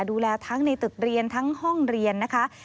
ดูแลทั้งในตึกเรียนทั้งห้องเรียนนะคะ